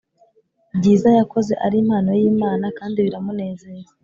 byiza yakoze ari impano y Imana kandi biramunezeza